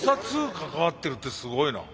関わってるってすごいな。